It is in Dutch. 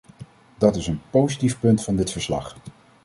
Dat is een positief punt van dit verslag.